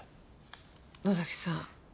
野崎さん